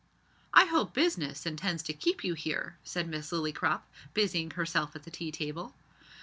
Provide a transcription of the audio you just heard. "I hope Business intends to keep you here," said Miss Lillycrop, busying herself at the tea table.